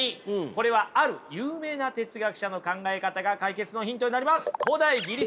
これはある有名な哲学者の考え方が解決のヒントになります。